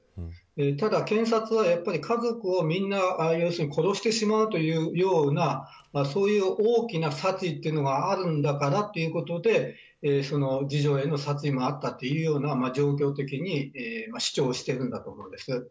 ただ検察は家族をみんな殺してしまうというような大きな殺意というのがあるんだからということで次女への殺意もあったというような、状況的に主張してるんだと思います。